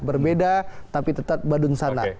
berbeda tapi tetap badung sana